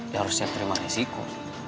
ya harus siap terima risiko